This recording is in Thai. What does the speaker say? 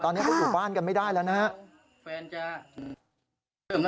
ตอนนี้พวกมันอยู่บ้านกันไม่ได้แล้วนะ